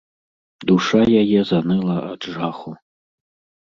Душа яе заныла ад жаху.